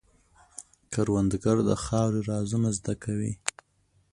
کروندګر د خاورې رازونه زده کوي